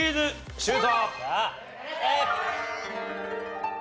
シュート！